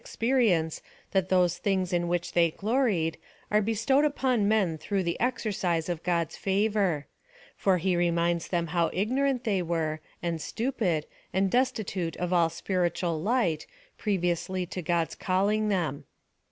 experience, that those things in whicli they gloried, are be stowed upon men through the exercise of God's favour ; for he reminds them how ignorant they were, and stupid, and destitute of all spiritual light, previously to God's calling them.